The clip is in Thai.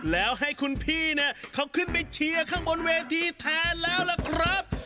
แล้วให้คุณพี่เนี่ยเขาขึ้นไปเชียร์ข้างบนเวทีแทนแล้วล่ะครับ